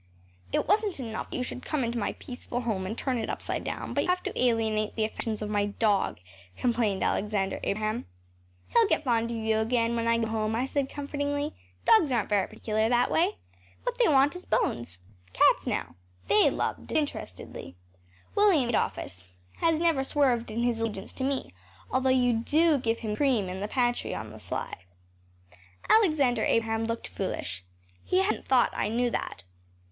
“It wasn’t enough that you should come into my peaceful home and turn it upside down, but you have to alienate the affections of my dog,‚ÄĚ complained Alexander Abraham. “He’ll get fond of you again when I go home,‚ÄĚ I said comfortingly. “Dogs aren’t very particular that way. What they want is bones. Cats now, they love disinterestedly. William Adolphus has never swerved in his allegiance to me, although you do give him cream in the pantry on the sly.‚ÄĚ Alexander Abraham looked foolish. He hadn’t thought I knew that.